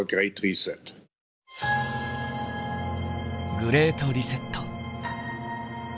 「グレート・リセット」。